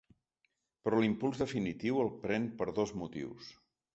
Però l’impuls definitiu el pren per dos motius.